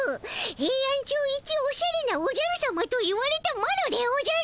ヘイアンチョウいちおしゃれなおじゃるさまといわれたマロでおじゃる！